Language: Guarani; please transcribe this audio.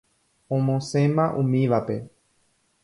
Omosẽma umívape.